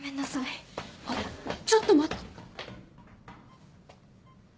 あっちょっと待って。